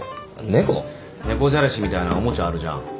猫じゃらしみたいなおもちゃあるじゃん？